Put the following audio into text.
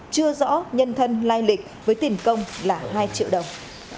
chưa rõ nhân thân lai lịch với tiền công là hai triệu đồng